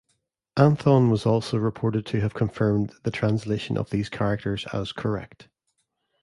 Anthon was also reported to have confirmed the translation of these characters as correct.